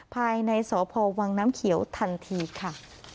ภายในสพวังน้ำเขียวทันทีค่ะ